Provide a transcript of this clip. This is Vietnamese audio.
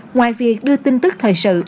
ngoài việc đưa tin tức thời sự